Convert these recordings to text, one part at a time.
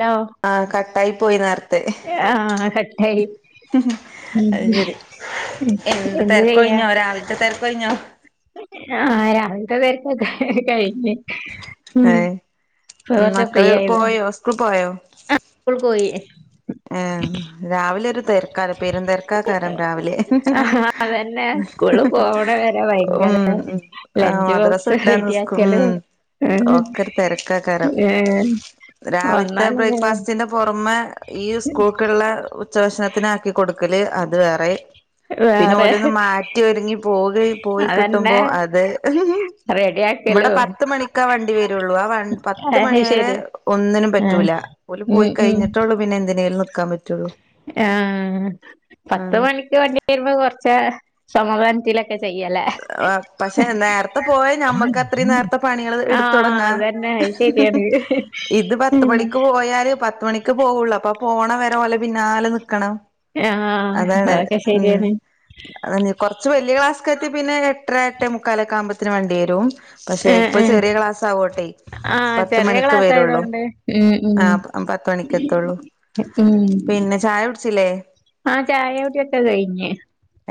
Law ആ കട്ടായി പോയി നേരത്തെ ആഹ് കട്ടായി ഉം ഉം അത് ശരി എന്താ എന്ത് ചെയ്യാ തര്ക്കൊഴിഞ്ഞോ രാവിൽത്തെ തരക്കൊഴിഞ്ഞോ ആഹ് രാവിൻത്തെ തരക്കൊക്ക കഴിഞ്ഞ് ഉം ഏഹ് ഇപ്പോ കൊർച് ഫ്രീ മക്കള് ആയത് പോയോ സ്കൂൾ പോയോ പോ കോഴിയെ ആ രാവിലെരു തെരക്ക്‌ ആരം പെരും തെര്ക്കാകാരം രാവിലെ അതന്നെ സ്കൂള് പോണ വരെ ഭയങ്കര [unintelligible] ആഹ് ലഞ്ച് മദ്രസ്സ ബോക്സ് വിട്ടാന്ന് ഇസ്ക്കൂ ഉം റെഡിയാക്കലും ഒക്കെരു തിരക്കാക്കാരം ഏഹ് രാവിൽത്തെ വന്നാലല്ലേ ബ്രേക്ക്ഫാസ്റ്റിന്റെ പുറമെ ഈ സ്കൂൾ കുള്ള ഉച്ചവക്ഷണത്തിനാക്കി കൊടുക്കല് അത് വേറെ വേറെ ഇതിറ്റ ഒരുങ്ങി പോക പോയി കിട്ടുമ്പോ അത് റെഡി ഇവടെ പത്ത് മണിക്കാ വണ്ടി വരുള്ളൂ ആ വ പത്ത് അത് മണിവരെ ശരി ഒന്നിനും ആഹ് പറ്റൂല ഓല് ഉം പോയി ഉം കഴിഞ്ഞിട്ടള്ളു പിന്നെ എന്തിനെലും നിക്കാ പറ്റുള്ളൂ ആ പത്ത് മണിക്ക് വണ്ടി വരുമ്പോ കൊർച്ച് സമാധാനത്തില ഒക്കെ ചെയ്യല്ലേ ആ പക്ഷെ നേരത്തെ പോയ ഞമ്മക്ക് അത്രയും നേരത്തെ പണികൾ എടുത്ത് ആഹ് തുടങ്ങാ അതന്നെ അത് ശരിയാണ് ഇത് പത്ത് ഉം മണിക്ക് പോയാല് പത്തുമണിക്ക് പോവുള്ളൂ അപ്പൊ പോണ വരെ പോലെ പിന്നാലെ നിക്കണം ആഹ് അതൊക്കെ ശരിയാണ് അതന്നെ കൊറച്ച് വലിയ ക്ലാസ്കത്തിയാ പിന്നെ എട്ടര എട്ടേ മുക്കാലൊക്കെ ആകുമ്പത്തിന് വണ്ടി വരും പക്ഷെ ആഹ് ഇപ്പൊ ആഹ് ചെറിയ ക്ലാസ് ആവോണ്ടേയ് ആഹ് ചെറിയ ക്ലാസ് ആയതോണ്ട് ഉം ഉം ആഹ് പത്ത് മണിക്ക് എത്തുള്ളൂ ഉം പിന്നെ ചായ കുടിച്ചില്ലേ ആഹ് ചായ കുടിയൊക്കെ കഴിഞ്ഞ്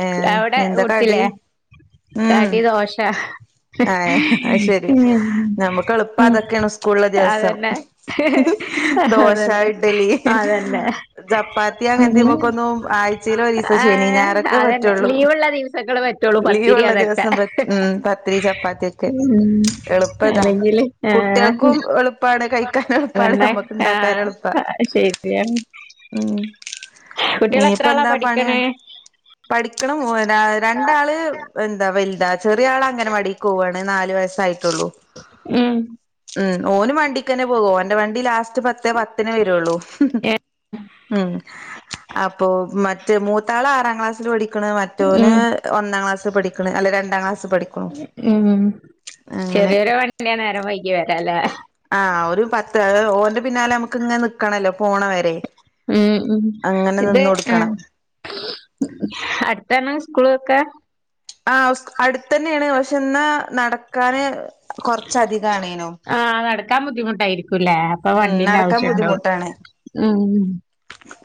ഏ അവിടെ എന്താ കടി കുടിച്ചില്ലേ കടി ദോശ ആയെ അത് ശെരി ഉം നമ്മക്ക് എള്പ്പ ഉം അതൊക്കേണ് സ്കൂള്ള്ള ദിവസം അതന്നെ ദോശ അതന്നെ ഇഡലി അതന്നെ ചപ്പാത്തി അങ്ങൻത്തീമ്മക്കൊന്നും ആ ച്ചില് ഒരീസം ശനി ഞായറൊക്കെ പറ്റുള്ളൂ ല്ല ദിവസങ്ങളൾ പറ്റ് ലീവ്ള്ള ദിവസം പറ്റു മ് പത്തിരി ചപ്പാത്തി ഒക്കെ ഉം എളുപ്പതാ അല്ലെങ്കില് ആഹ് കുട്ടിയാക്കും എളുപ്പാണ് കഴിക്കാൻ എളുപ്പാണ് അതന്നെ നമ്മക്ക്ണ്ടാക്കാൻ എളുപ്പ ആഹ് ശരിയാണ് ഉം കുട്ടികൾ എത്ര ഇനിയിപ്പ ആളാ എന്താ പണിയ പഠിക്കണേ പഠിക്കണം മോരാ രണ് ണ്ടാള് എന്താ വലുതാ ചെറിയ ആള് അങ്ങനവാ ടീക്ക് പോവാണ് നാല് വയസായിട്ടൊള്ളൂ ഉം ഉം ഓനും വണ്ടിക്കെന്നെ പോവാ ഓന്റെ വണ്ടി ലാസ് പത്ത് പത്ത് പത്തിനേ വരുള്ളൂ അപ്പൊ മറ്റ് റ്റ് മൂത്താള് ആറാം ക്ലാസ്സിൽ പഠിക്ക്‌ണ് മറ്റോന് ഉം ഒന്നാം ക്ലാസ് പഠിക്ക്‌ണ് അല്ല രണ്ടാം ക്ലാസ് പഠിക്ക്‌ണു അങ്ങനെ ഞ നേരം വെയ്കിവെരാല്ലേ ആ ഒരു പത്ത് ഓന്റെ പിന്നാലെ നമുക്ക് ഇങ്ങനെ നിക്കണല്ലോ പോണ വരെ മ് മ് അങ്ങനെ ഇതെ നിന്ന് ആ കൊടുക്കണം അടുത്താണ് സ്കൂളൊക്കെ? ആ സ്കൂ അടുത്തന്നെയാണ് പക്ഷെ എന്നാ നടക്കാന് കൊറച്ചധിക ആണേനു ആ നടക്കാൻ ബുദ്ധിമുട്ടായിരിക്കുല്ലേ? അപ്പൊ ഉം വണ്ടീന്റെ നടക്കാൻ ആവശ്യണ്ടാവും. മ്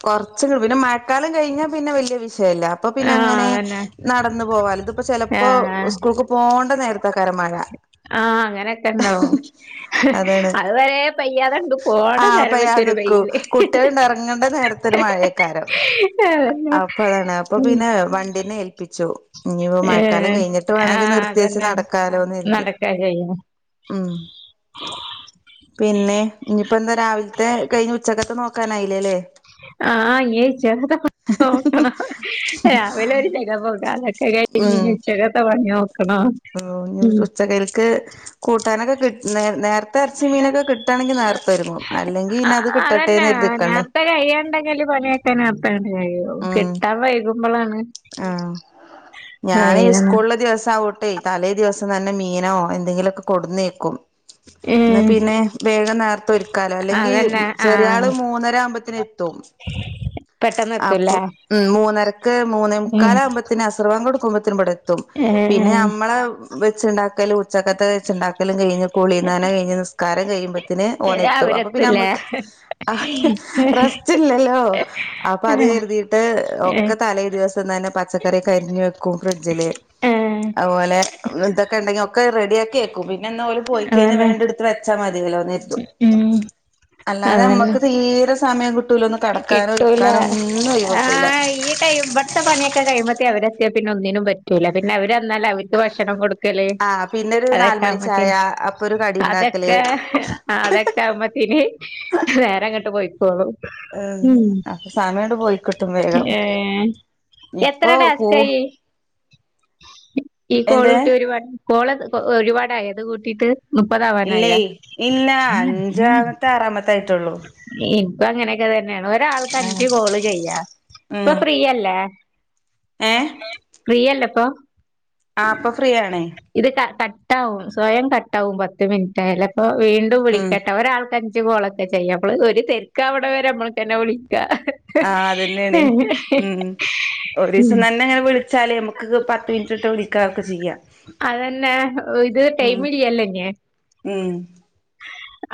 കുർച്ച ക് പിന്നെ മഴക്കാലം കഴിഞ്ഞാ പിന്നെ വല്യ വിഷയല്ല. അപ്പൊ പിന്നെ ആഹ് അങ്ങനെ അതന്നെ നടന്നു പോവാലോ. ഇതിപ്പോ ചെപ്പോ ആഹ് സ്കൂൾക്ക് പോണ്ട നേരത്തെക്കാരം മഴ ആ അങ്ങനെയൊക്കെ ഇണ്ടാവും അതുവരെ പയ്യാതാണ്ട് ആ പയ്യാത നിക്കൂ കുട്ടിയാള് ഇറങ്ങണ്ട നേരത്തെ ഒരു മഴേക്കാരം ഏ ന്താ അപ്പൊ പിന്നെ വണ്ടീനെ ഏൽപ്പിച്ചു. ഇനിപ്പൊ മഴക്കാലം ഏഹ് കഴിഞ്ഞിട്ട് വേണങ്കി ആഹ് നിർത്തി വെച്ച് അതന്നെ നടക്കാലോന്നരുതി നടക്കാ ചെയ്യും മ് [inaudible] പിന്നെ? ഇനിയിപ്പന്ന് രാവിലത്തെ കഴിഞ് ഉച്ചക്കത്തെ നോക്കാനായില്ലേലെ? ആ അഴിച്ചാ പ്പ ക്ക്‌ നോക്കണം രാവിലെ ഒരു ചക പൊക അതൊക്കെ കഴിഞ്ഞ്നി ഉച്ചകത്തെ പണി നോക്കണം. മ് ഇ ഉച്ചകക്ക് കൂട്ടാനൊക്കെ കിട്ട നേരത്തെ ഇറച്ചി മീനൊക്കെ ണങ്കി നേരത്തെ ഒരുങ്ങും അല്ലെങ്കിന്നെ അത് കിട്ടട്ടെ ന്നെരുതിക്കണ്ടേ ഇപ്പ കയ്യാണ്ടെങ്കില് പണിയൊക്കെ നേരെത്തെങ്ങട് കഴിയു ഓ ഉം കിട്ടാൻ വൈകുമ്പളാണ് വൈകണ ദിവസാ വു ണ്ട് തലേ ദിവസം തന്നെ മീനോ എന്തെങ്കിലൊക്കെ കൊടുന്നേക്കും എന്ന ഉം പിന്നെ വേഗം നേരത്തെ ഒരുക്കാലോ അല്ലെങ്കി അതന്നെ ആഹ് ചെറിയള് മൂന്നര ആവുമ്പോത്തിന് എത്തും. [inaudible] അപ്പം എത്തൂല്ലേ മ് മൂന്നരക്ക് മൂന്നേ ഉം മുക്കാലാവകുമ്പോത്തിന് അസർവാങ്കൊടുക്കുമ്പത്തിന് ഇവിടെ എത്തും. ഏഹ് പിന്നെ നമ്മളെ വെച്ചുണ്ടാക്കലു ഉച്ചക്കത്തെ വെച്ചുണ്ടാക്കലും കഴിഞ്ഞ് കുളീ ന്നന കഴിഞ്ഞ് നിസ്കാരം കഴിയ്പ ത്തിന് ഏഹ് ഓനെത്തും അപ്പൊ പിന്നെ അവരെത്തൂല്ലേ നമ്മക്ക് റസ്റ്റ്ല്ലല്ലോ അപ്പൊ അത് കരുതിയിട്ട് ഒക്കെ തലേ ദിവസം തന്നെ പച്ചക്കറി കരിഞ് വെക്കും ഫ്രിഡ്ജില് ഏഹ് ഏഹ് അതുപോലെ തൊക്കെ ഇണ്ടെങ്കി ഒക്കെ റെഡിയാക്കി വെക്കും പിന്നെ എാ പോലെ പോയി കഴിഞ്ഞാ അതന്നെ വേണ്ട വച്ചലതിയല്ലോ ന്നരുതും ഉം അല്ലാതെ അതന്നെ നമ്മക്ക് തീരെ സമയം കിട്ടൂലൊന്ന് കടക്കാനോ ഇ ലെ ആ ഇയ് ഇടത്തെ പണിയൊക്കെ കഴിയുമ്പഴത്തേ അവ എത്തിയാ പിന്നെ ഒന്നിനും പറ്റൂല്ല പിന്നെ അവര്ന്നാല് അവര്ക്ക് ഭക്ഷണം കൊടുക് ക്കല് ആഹ് പിന്നൊരു അതക്കാ നാലുമണി മറ്റ ചായ അപ്പൊ ഒരു കടി ഉണ്ടാക്കല് അതൊക്കെ അതൊക്കെ ആവുമ്പത്തിന് വേറെങ്ങോട്ട് പോയിക്കോളൂ ഏഹ് ഉം അപ്പൊ സമയണ്ട് പോയിക്കിട്ടും വേഗം ഏ എത്ര ഇപ്പൊ കൂ ഡാസ്ക്കായി? ഈ കോള് എന്ത് കൂട്ടി ഒരുപാട് കോള ഒരുപാടായത് കൂട്ടിട്ട് ഇല്ലേ ഇല്ല അഞ്ചാമത്തെ ആറാമത്തെ ആയിട്ടുള്ളൂ. ഇപ്പ അങ്ങനെയൊക്കെ തന്നെയാണ് ഒരാൾക്ക് ആഹ് അഞ്ച് കോള് ചെയ്യാ ഇപ്പൊ ഉം ഫ്രീയല്ലേ ഏഹ് ഫ്രീയല്ലേ ഇപ്പൊ? ആ അപ്പൊ ഫ്രീ ആണ്. ഇത് ക കട്ട ആാവും സ്വയം കട്ടാവും പത്ത് മിനിറ്റയാലും അപ്പൊ വീണ്ടും ഉം വിളിക്കട്ടെ ഒരാൾക്കാര കോളൊക്കെ ചെയ്യാം അപ്പള് ഒരു തെക്ക് അവിടെ വരെ നമ്മൾക്ക്ന്നെ വിളിക്കാ ആഹ അത്ന്നെയാണ് ഉം ഒരു ദിവസം നന്ന അങ്ങനെ വിളിച്ചാലേ നമക്ക് ക്ക് ക് പത്ത് മിനിറ്റ് ഇട്ട് വിളിക്കാ ഒക്കെ ചെയ്യാ അതന്നെ ഇത് ടൈമില്ലല്ലോ ഇഞ്ഞ് ഉം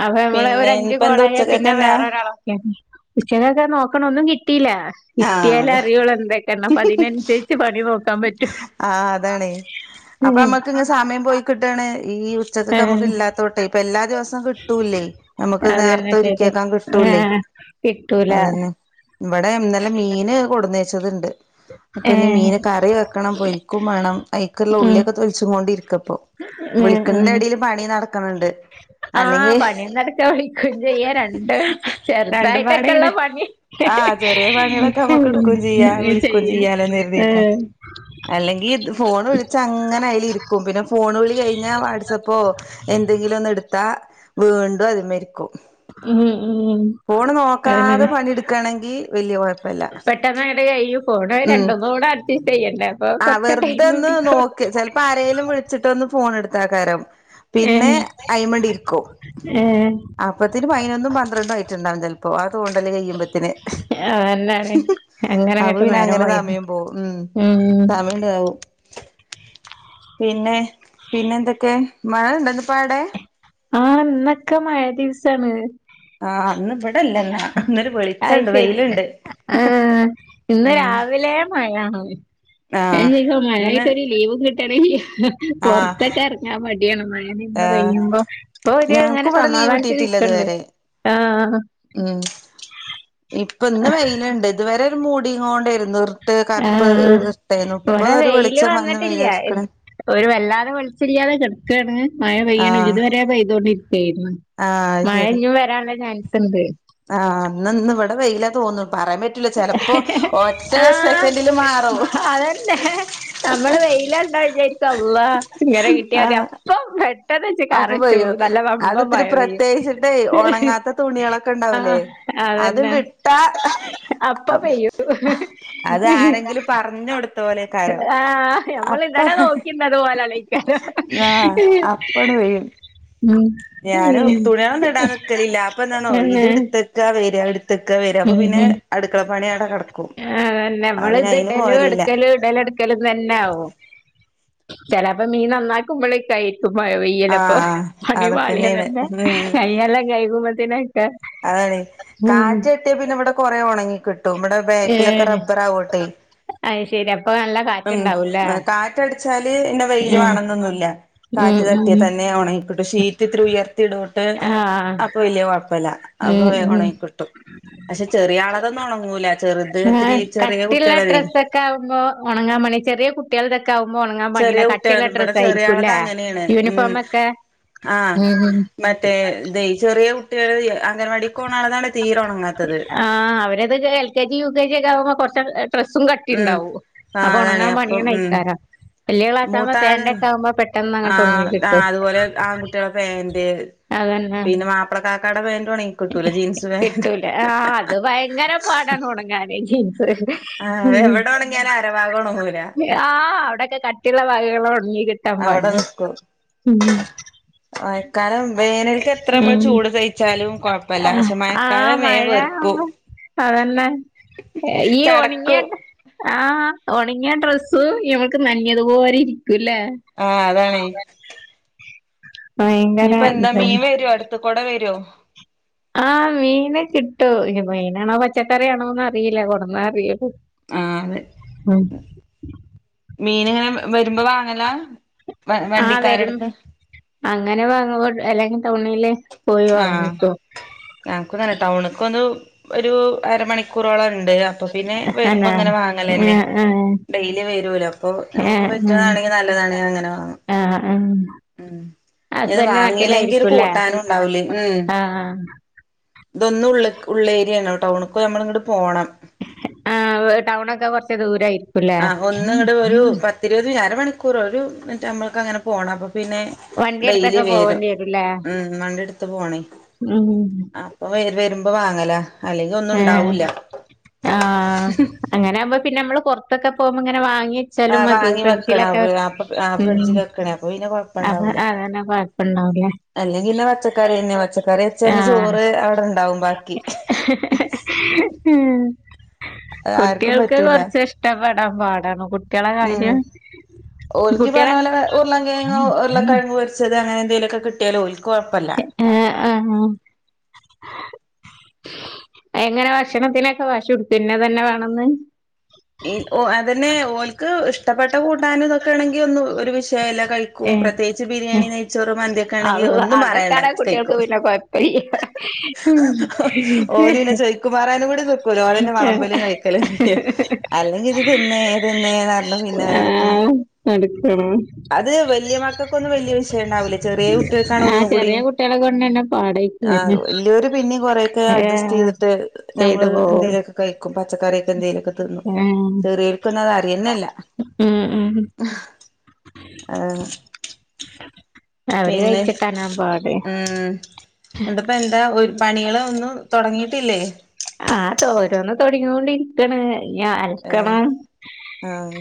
അപ്പം നമ്മള് പിന്നെ ഒരഞ്ച് ഇനിയിപ്പ എന്താ കോളായ പിന്നെ ഉച്ചക്കൊക്കെ എന്താ വേറെ ഒരാളൊക്ക്യാതി ഉച്ചക്കക്കെ നോക്കണം ഒന്നും കിട്ടിയില്ല ആഹ് കിട്ടിയാലേ അതെ അറിയുള്ളൂ എന്താ കാരണം അപ്പ അതിനൻസരിച്ച് പണി നോക്കാം ആഹ് അതാണേ. അപ്പൊ നമ്മക്ക് ങ്ങനെ സമയം പോയി കിട്ടാണ് ഈ ഉച്ചക്കൊക്കെ നമുക്ക് ഏഹ് ഇല്ലാത്തോട്ടെ ഇപ്പൊ എല്ലാ ദിവസവും കിട്ടൂല്ലേ നമക്ക് അതന്നെ നേർത്തെ ശരിയാ ഒരുക്കിയേക്കാൻ കിട്ടൂല്ലേ ഏഹ് കിട്ടൂല ഇവടെ ഇന്നല മീൻ കൊടന്നേച്ചത്ണ്ട് ഏഹ് കറി വെക്കണം പൊരിക്കും മാണം അയ്ക്ക്ള്ള ഉം ഉള്ളിയൊക്കെ തൊലിച്ചു കൊണ്ടിരിക്ക പ്പം വിളിക്ക്ണ്ന്റെ എടീല് പണി നടക്ക്ണ് ണ്ട്. ആഹ് പണിം നടക്കാ വിളിക്കും ചെയ്യാ. രണ്ടും ചെ രണ്ടും ചെറുതായിട്ടൊക്കെള്ള പാടേണ് പണി ആഹ് ചെറിയ പണികളൊക്കെ നമ്മുക്ക് എടുക്കും ചെയ്യാ വിളിക്കും ചെയ്യ. ചെയ്യാലോന്ന് കരുതിയിട്ടാ ഏഹ് അല്ലെങ്കി ദ് ഫോണ് വിളിച്ച അങ്ങനെ അയിലിരിക്കും പിന്നെ ഫോണ് വിളി കഴിഞ്ഞാ വാട്സപ്പോ എന്തെങ്കിലും ഒന്ന് എടുത്താ വീണ്ടു അത് മ്മെ ഇരിക്കും ഉഹും ഉം അതെന്നേണ്. പണിയെടുക്കാണെങ്കി വല്യ കൊഴപ്പല്ല പെട്ടെന്നങ്ങട്ട് കയ്യും. ഫോണ് അത് ഉം രണ്ടും കൂടാ [unintelligible] ചെയ്യണ്ടെ അപ്പം കൊർച്ച ടൈമ് പിടിക്കും ക്ക് ചെൽപ്പാരേലും വിളിച്ചിട്ടൊന്ന് ഫോൺ ഇട്ത്താകാരം പിന്നെ ഏഹ് അയ്മണ്ട് ഇരിക്കും ഏഹ് അപ്പത്തിന് പയിനൊന്നും പന്ത്രണ്ടും ആയിട്ടുണ്ടാവും ചെൽപ്പോ ആ തോണ്ടല് കയ്യുമ്പത്തിന് അതന്നേണ്. അങ്ങനെ അങ്ങട്ട് പിന്നെ നേരം അങ്ങനെ പോയിരുന്നു സമയം പോവും ഉം സമയണ്ട് താവും പിന്നെ പിന്നെ എന്തൊക്കെ? മഴ ഇണ്ട ന്ന് പാടെ? ആഹ് ഇന്നൊക്കെ മഴ ദിവ്സാണ് ആഹ് ന്ന് ഇവിടെല്ല ന്നാ. ഇന്നൊരു അത് വിളിച്ചണ്ട് ശരി വെയില്ണ്ട് ആഹ് ഇന്ന് രാവിലേ മഴാണ് ഞാൻ ആഹ് ചോയ്ക്കാ ഇന്ന് മയായിട്ടൊര് ലീവും കി ട്ടലില്ലാ. ആഹ് പൊർത്തക്കെറങ്ങാൻ മടിയാണ് മഴ നിന്ന് ഏഹ് പെയ്യുമ്പോ പ്പൊ ഒരു ഞങ്ങക്ക് ഇങ്ങനെ ഇവിടെ ലീവ് സമാധാനത്തില് കിട്ടിയിട്ടില്ല ഇക്ക്ണ്ട് ഇതുവരെ ആഹ് ഉം ഇപ്പം ഇന്ന് വെയില്ണ്ട് ഇതുവരെ ഒരു മൂടിങ്ങോണ്ടേര്ന്നുർ ഇട്ട് കർപ്പ് ആഹ് ഇറ്ട്ടേന്നു ഇവിടെ ഇപ്പൊരു വെളിച്ചം വന്ന് വെയിലർക്ണ് ഒര് വല്ലാതെ വെളിച്ചല്ലാതെ കെട്ക്കാണ് മഴ പെയ്യുണൂല്ല്യ. ആഹ് ഇതുവരെ പെയ്തോണ്ടിരിക്കേ ര്ന്നു ആഹ് അത്ശരി. ഇണ്ട് ആഹ് ന്ന് ഇന്ന് ഇവടെ വെയിലാ തോന്നുന്നു പറയാൻ പ റ്റൂല. ചെലപ്പോ ഒറ്റ സെക്കൻഡില് മാറും തന്നെ നമ്മള് വെയിലണ്ടാ വിചാരിക്കും അള്ളാഹ് ഇങ്ങനെ കിട്ടിയാ മതി ആഹ് അപ്പം പെ ട്ടന്നച്ചു അപ്പൊ കറച്ചു പെയ്യും നല്ല അത് വമ്പം ഇത്തിരി മഴ പെയ്യും പ്രത്യേകിച്ചിട്ടേ ഒണങ്ങാത്ത തുണികളൊക്കെ ആഹ് ഉണ്ടാവൂലേ അതന്നെ. അത്ണ്ട് ഇട്ടാ അ പ്പ പെയ്യും. അത് ആരെങ്കിലും പറഞ്ഞ് കൊടുത്ത പോലെക്കാരം ആഹ് നമ്മൾ അപ്പ ഇബട നോ ക്കിന്നത് പോലല്ലയ്‌ക്കാരം. ആഹ് അപ്പണ് ചെയ്യും ഉം ഞാനു തുണ്യാളൊന്നു ഇടാൻ നിക്കലില്ല അപ്പൊ എന്താണോ ഇത് തന്നെ ഇട്ത്തക്കാ വെരാ ഇട്ത്തക്കാ വെരാ അപ്പൊ പിന്നെ അടുക്കളപ്പണി അവ്ടെ കടക്കും. അതന്നെ നമ്മള് അപ്പപിന്നെ അയിന് പോവലില്ല. ഇത് ഇടല് ട് ക്കലും തെന്നാവും. ചെലേപ്പോ മീൻ നന്നാക്കുമ്പളേയ്കു അയ്ക്കുമഴ പെയ് യ്യലപ്പൊ ആഹ് പണി അതൊക്കെന്നെയാണ് പാള്യതെന്നെ ഉം കയ്യെല്ലാ കൈകുമ്പത്തിന് അതാണെ. കാറ്റട്ടിയ പിന്നെ ഇവടെ കൊറെ ഒണങ്ങി കിട്ടും ഇബടെ ബാക്കിലൊക്കെ ഏഹ് റബ്ബർ ആവോണ്ടെ. അത് ശെരി അപ്പൊ നല്ല കാറ്റുണ്ടാവൂല്ലേ ഉഹ് കാറ്റടിച്ചാല് പിന്നെ വെയില് ഉം വാണന്നൊന്നില്ല. ഉം കാറ്റ് ഉം തട്ടിയാ തന്നെ ഒണങ്ങി കിട്ടു ഷീറ്റ് ഇത്തിരി ഉയർത്തി ഇടോണ്ട് ആഹ് അപ്പൊ വല്ല്യ കൊഴപ്പല്ല. അപോ ഉം ഉം വേകൊണങ്ങി കിട്ടും. പക്ഷെ ചെറിയ ആളതൊന്നും ഒണങ്ങൂല ചെറുത് ഇത്തിരി ചെറിയ കുട്ടികളതെ തക്കാവുമ്പോ ഒണങ്ങാ മണി ചെറിയ കുട്ടികൾത് ക്കാവുമ്പോ ഒണങ്ങാൻ ചെറിയ പണ്യാന്. കട്ടിയുള്ള കുട്ടികളത് ഇവിടെ ഡ്രസ്സ് ചെറിയ ആയിരിക്കു ആളത് ല്ലേ അങ്ങനെയാണ് ഉം യൂണിഫോമൊക്കെ? ആഹ് ഉം ഉം. മറ്റേ ഇതെയ് ചെറിയ കുട്ടികൾ തീ അങ്കനവാടിക്കോണാളുതാണ് തീരെ ഒണങ്ങാത്തത്. ആഹ് അവരത് L K G U K G ഒക്കെ ആവുമ്പോ കൊറ്ച്ച് എ ഡ്രസ്സും ഉം കട്ടിണ്ടാവു ആ അപ്പൊ അതാണ് ഒണങ്ങാൻ അപ്പം ഉം പണിയന്നയ്‌ക്കാരം. വല്ല്യ ക്ലാസാവുബോ മൂത്താള് ഫേൻ്റൊക്കെ ആവുമ്പോ ആ പെട്ടന്ന്ങ്ങട്ട് ഒണങ്ങി ആ കിട്ടു- അതുപോലെ ആൺകുട്ടികളെ അതന്നെ. ഇബടെ കാക്കാടെ പെൻ്റൊണങ്ങി കിട്ടൂല്ല ജീൻസ് പാൻ്റ്. എആഹ് അത് ഭയങ്കര പാടാണ് ഒണങ്ങാന് ജീൻസ് ആഹ് എവിടൊണെങ്ങ്യാലും അരവാഗൊണങ്ങൂല ആഹ് അവിടെക്കെ കട്ടിള്ള ഭാഗങ്ങള ഒണങ്ങി കിട്ട് അവിടെ നിക്കു ആ കാണം വേനൽക്കെത്രമ്മൾ ഉം ചൂട് സയിച്ചാലും കൊഴപ്പല്ല ക്ഷെ ആ മഴക്കാലം വേ മഴ വെർക്കും. അതന്നെ ഈ ഒണങ്ങിയ ചടക്കും ആഹ് ഒണങ്ങിയ ഡ്രസ്സൂ ഇമക്ക് നഞ്ഞതുപോലെ ഇരിക്കൂ ല്ലേ? ആഹ് അതാണേ ഭയങ്കര ഇഞ്ഞ്പ്പോ എന്താ മീൻ ഇതന്നെ വരോ അടുത്ത്ക്കൂടെ വരോ? ആഹ് മീന കിട്ടു ഞ്ഞ് മീനാണോ പച്ചക്കറി ആണോന്നറിയില്ല കൊട്ന്നാറിയള്ളൊ ആഹ് അതെ. ഉം മീൻങ്ങനെ വരുമ്പോ വാങ്ങലാ ആ വരും വവണ്ടിക്കാരടുത്ത്? അങ്ങനെ വാങ്ങാപോ അല്ലെങ്കി ടൗണില് പോയി ആഹ് വാങ്ങിക്കും ഞങ്ങക്കുതന്നെ ടൗണക്കൊന്നു ഒരു അരമണിക്കൂറോളെ ണ്ട് അപ്പോ പിന്നെ വരുമ്പോ അന്നെ ഇങ്ങനെ ആ വാങ്ങലന്നെ ആ ഡെയ്‌ലി വരോലോ അപ്പോ ഞമക്ക് പറ്റ്ണാങ്കി നല്ലതാണെങ്കി അങ്ങനെ വാങ്ങു ആഹ് ആഹ്. ഉം ഇത് വാങ്ങീല്ലെങ്കിൽ കൂട്ടാനും ഉണ്ടാവുലേ ഉം. ആ ഇതൊന്നും ഉളള്ക്ക് ഉള്ളേരിയയാണ് ടൗണ്ക്ക് നമ്മളങ്ങട്ട് പോണം. ആ വ് ടൗണൊക്കെ കൊറച്ച് ദൂരായി ആഹ് ഒന്നങ്ങട്ട് ഒരു പത്തിരുപത് അര മണിക്കൂർ ഒരുമിറ്റമ്മൾക്കങ്ങനെ പോണം അപ്പൊ പിന്നെ ഡെയ്ലി വണ്ടിയെടുത്തൊക്കെ വേരും. പോവേണ്ടി വരൂല്ലേ വണ്ടിടുത്ത് പോണേ ഉം. അപ്പൊ വേര് വരുമ്പോ വാങ്ങല- ഏഹ് ആഹ്. അങ്ങനാവുമ്പോ പിന്നമ്മള് പൊറത്തൊക്ക പോവ്മ്പോ ഇങ്ങനെ വാങ്ങി. ച്ചാലും ആഹ് മതി വാങ്ങി വെക്കണം ഫ്രിഡ്ജിലൊക്കെ വെ അപ്പൊ ആഹ് ഉം ഫ്രിഡ്ജിൽ വെക്കണേ അപ്പൊ പിന്നെ അത് അതെന്നെ കൊഴപ്പണ്ടാവൂല്ല അല്ലെങ്കിന്നെ പച്ചക്കറി തന്നെ പച്ചക്കറി വെച്ചന്ന് ആഹ് ചോറ് അവിടെണ്ടാവും ബാക്കി. ആർക്കും കുട്ടികൾക്ക് പറ്റൂല കൊറച്ച് ഇഷ്ടപ്പെടാൻ പാടാണ് കു ഉം ഓൽക്കി കുട്ടികളെ പറഞ്ഞ പോലെ ഉർളൻക്കിഴങ്ങ് ഉരുളക്കിഴങ്ങ് പൊരി ച്ചത് അങ്ങനെ എന്തേലൊക്കെ കിട്ടിയാല് ഒൽക്ക് കൊഴപ്പല്ല. ഏഹ് ആഹ്. എങ്ങനെ ഭക്ഷണത്തിനൊക്കെ വശി പിടിക്കോ ഇന്നതെന്നെ വേണന്ന്? ഈ ഓ അതെന്നെ ഓൽക്ക് ഇഷ് ഇഷ്ടപ്പെട്ട കൂട്ടാനും ഇതൊക്കെ ആണെങ്കി ഒന്നും ഒരു വിഷയല്ല കഴിക്കും ഏഹ് പ്രത്യേകിച്ച് ബിരിയാണി ഏഹ് നെയ് ച്ചോറും മന്തിയൊക്കെ ആണെങ്കി അള്ളാ ഒന്നും പറയണ്ട അതൊക്കാണെ കുട്ടികൾക്ക് കഴിക്കും. പിന്നെ കൊഴപ്പല്ല ഓലുപിന്നെ ചോയ്ക്കുമാറാനുംകൂടി നിക്കൂല ഓലന്നെ വെളമ്പലും കഴിക്കലും ചെയ്യും അല്ലെങ്കി ഇത് തിന്നേ തിന്നേന്നുപറഞ്ഞ് പിന്നാലെ നടക്കണം ആഹ് നടക്കണോ അത് വല്യമക്കക്കൊന്നും വല്യ വിഷയം ഇണ്ടാവൂല്ല ചെറിയ കുട്ടികൾക്കാണ് ആ ഒന്നും കൂടി ചെറിയ കുട്ടികളെ കൊണ്ടന്നെ ആ പാടായിക്കാരം വല്യോര് പിന്നേം കൊറേക്കെ ഏഹ് അഡ്ജസ്റ്റുചെയ്തിട്ട് നമ്മള് ചെയ്തു പോവും എന്തെലൊക്കെ കഴിക്കും പച്ചക്കറിയൊക്കെ എന്തെലൊക്കെ തിന്നും ഏഹ് ചെറിയോൽക്കൊന്നും അത് അറിയെന്നെയില്ല ഉം ഉം ആ അവര് പിന്നെ കഴിച്ചിട്ടാനാ പാട് ഉം എന്ന്ട്ട് ഇപ്പ എന്താ ഒരു പണികളൊന്നും തൊടങ്ങീട്ടില്ലേ ആ തോരോന്ന് തൊടങ്ങിയോണ്ടിരിക്കണ് യാ ഏഹ് അലക്കണം ആഹ്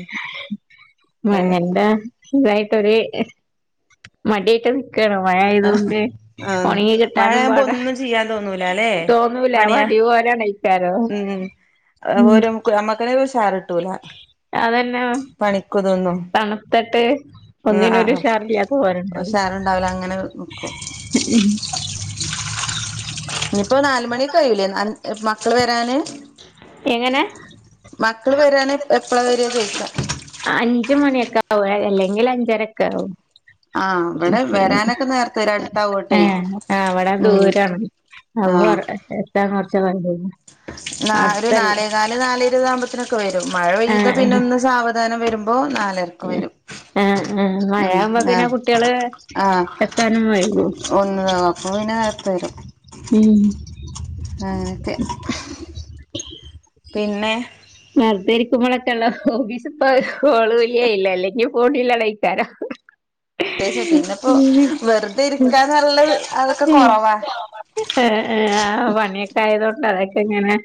ഏഹ് മഴയൊണ്ടാ ഇതായിട്ടൊര് മടിയായിട്ട് നിക്കാണ് മഴ ആഹ് ആയതോണ്ട് ആഹ് ഒണങ്ങികിട്ടാനും മഴയാകുമ്പോ പാടാണ് ഒന്നും ചെയ്യാൻ തോന്നൂല അല്ലേ തോന്നൂല്ലാ പണിയ വടി പോലാണെ ക്കാരോ ഉം ക്കന്നെ ഒരു ഉഷാറ്കിട്ടൂല അതെന്നാ തണുത്തട്ട് ഒന്നിനൊരു ആഹ് ഉഷാറില്ലാ പോരണ്ടവും ഉഷാറുണ്ടാവില്ല അങ്ങനെ നിക്കും ഉം ഇനിയിപ്പോ നാലുമണിക്കെകഴിയൂലേ അന് മക്കള് വരാന് എങ്ങനെ മക്കള് വരാന് എപ്പളാ വരുകാ ചോയ്ക്കാ അഞ്ചു മണിയൊക്കെ ആകും അല്ലെങ്കിൽ അഞ്ചരൊക്കെ ആകും ആഹ് ഇവിടെ വരാനൊക്കെ നേരത്തെ വരും അടുത്താവോട്ടെ ഏ അവിടെ ഉം ദൂരാണ് ആഹ് അവാർ എത്താൻ കൊറച്ചുവൈകും നാ ഒരു നാലേകാല് നാല് ഇരുപത് ആകുമ്പോത്തിനൊക്കെ വരും മഴപെയ്താ ആഹ് പിന്നെ ആഹ് ഒന്നുസാവ ധാനം വരുമ്പോ നാലരയ്ക്ക് വരും ആ ആ ഉം മഴയാകുമ്പോ പിന്നെ ആഹ് കുട്ട്യോള് ആഹ് എത്താനും വൈകും ഒന്നതാവും അപ്പൊ പിന്നെ നേരത്തെവരും ഉം പിന്നെ നേരത്തെ ഇരിക്കുമ്പോളൊക്കെല്ലോ ഓഫീസ് ഇപ്പൊ ഓള് പോയി ഇല്ല ഇല്ല അല്ലെങ്കി ഫോണിൽ ആളെയ്ക്കാരം പ്രത്യേകിച്ച് പിന്നെപ്പോ [unintelligible] വെറുതെ ഇരിക്കാന്നുള്ളത് അതൊക്കെ കൊറവാ എ ഏ ആ പണിയൊക്കെ ആയതോണ്ട് അതൊക്കെയിങ്ങനെ